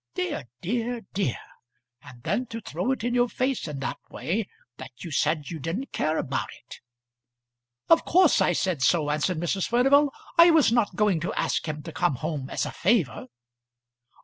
Dear, dear, dear! and then to throw it in your face in that way that you said you didn't care about it." "Of course I said so," answered Mrs. Furnival. "I was not going to ask him to come home as a favour."